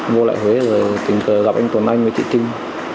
vô lại huế rồi tình cờ gặp anh tuấn anh với chị trinh